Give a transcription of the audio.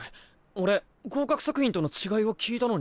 俺合格作品との違いを聞いたのに。